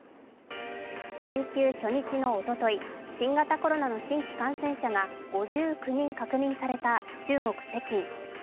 連休初日のおととい新型コロナの新規感染者が５９人確認された中国・北京。